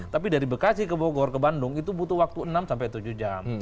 tapi dari bekasi ke bogor ke bandung itu butuh waktu enam sampai tujuh jam